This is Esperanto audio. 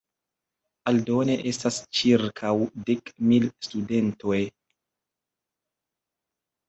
Aldone estas ĉirkaŭ dek mil studentoj.